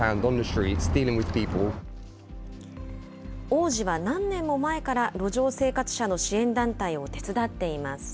王子は何年も前から路上生活者の支援団体を手伝っています。